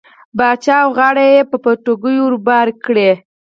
باچا اوه غاړۍ په بتکيو ور بار کړې.